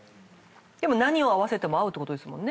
でも何を合わせても合うってことですもんね